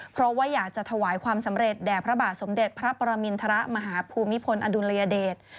เพราะว่าอยากจะถวายความสำเร็จแด่พระบาทสมเด็จพระปรมินทรมาฮภูมิพลอดุลยเดช